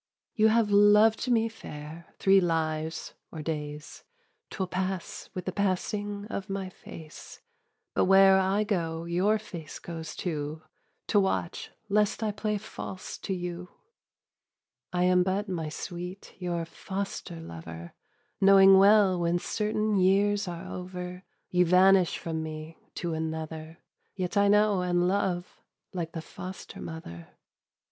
"You have loved me, Fair, three lives or days: 'Twill pass with the passing of my face. But where I go, your face goes too, To watch lest I play false to you. "I am but, my sweet, your foster lover, Knowing well when certain years are over You vanish from me to another; Yet I know, and love, like the foster mother.